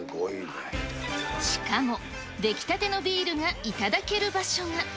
しかも出来たてのビールが頂ける場所が。